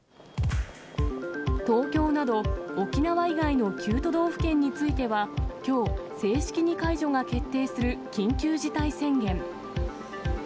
東京など、沖縄以外の９都道府県については、きょう、正式に解除が決定する緊急事態宣言。